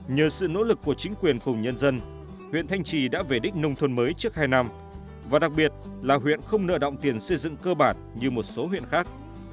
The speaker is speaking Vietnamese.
nhờ sự nỗ lực của chính quyền cùng nhân dân huyện thanh trì đã về đích nông thôn mới trước hai năm và đặc biệt là huyện không nợ động tiền xây dựng cơ bản như một số huyện khác